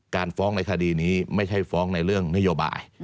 การฟ้องในคดีนี้ไม่ใช่ฟ้องในเรื่องนโยบาย